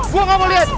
gue gak mau liat